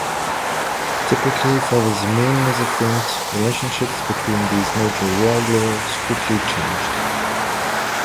Typically for the Zemene Mesafint, relationships between these major warlords quickly changed.